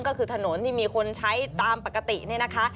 ก็คือถนนที่มีคนใช้ตามปกติเนี่ยนะคะ